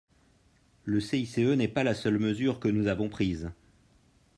Le CICE n’est pas la seule mesure que nous avons prise.